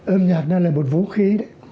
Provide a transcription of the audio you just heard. âm nhạc là một vũ khí